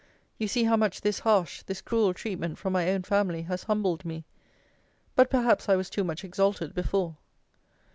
You see how much this harsh, this cruel treatment from my own family has humbled me! But perhaps I was too much exalted before.